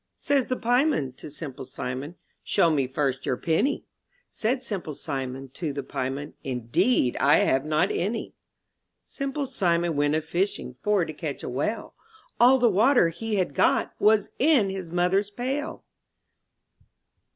'* Says the pie man to Simple Simon, "Show me first your penny;'* Said Simple Simon to the pie man, ''Indeed, I have not any/' Simple Simon went a fishing, For to catch a whale; All the water he had got Was in his mother's pail